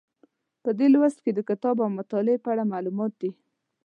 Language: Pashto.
په دې لوست کې د کتاب او مطالعې په اړه معلومات دي.